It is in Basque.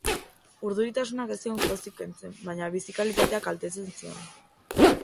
Urduritasunak ez zion pozik kentzen, baina bizi-kalitatea kaltetzen zion.